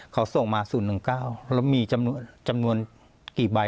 เขาส่งมาสูตรหนึ่งเก้าแล้วมีจำนวนจำนวนกี่ใบ